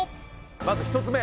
まず１つ目